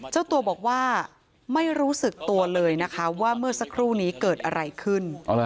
เจ้าตัวบอกว่าไม่รู้สึกตัวเลยนะคะว่าเมื่อสักครู่นี้เกิดอะไรขึ้น